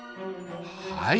はい。